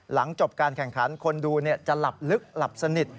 หลังจบการแข่งขันคนดูจะหลับลึกหลับสนิท